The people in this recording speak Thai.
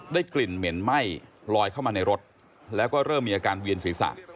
กลิ่นเหม็นไหม้ลอยเข้ามาในรถแล้วก็เริ่มมีอาการเวียนศีรษะ